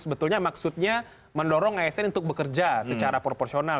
sebetulnya maksudnya mendorong asn untuk bekerja secara proporsional